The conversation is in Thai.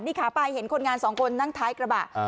นี่ขาไปเห็นคนงานสองคนนั่งท้ายกระบะ